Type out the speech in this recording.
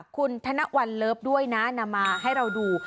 คุณธนวัลเลิฟด้วยนะนำมาให้เราดู